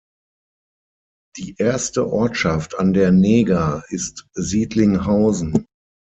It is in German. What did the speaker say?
Die erste Ortschaft an der Neger ist Siedlinghausen.